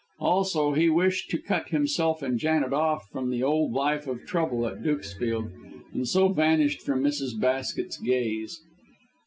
Also he wished to cut himself and Janet off from the old life of trouble at Dukesfield, and so vanished from Mrs. Basket's gaze.